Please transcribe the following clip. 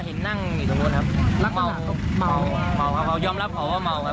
เห็นที่นั่งตรงนู้นครับครับ